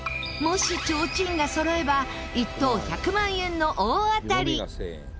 もしちょうちんが揃えば１等１００万円の大当たり。